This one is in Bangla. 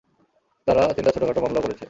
তারা তিনটা ছোটখাটো মামলাও করেছে।